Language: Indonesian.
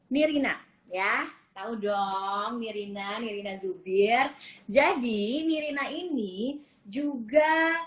mirina ya tahu dong mirina mirina zubir jadi mirina ini juga